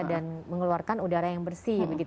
dan mengeluarkan udara yang bersih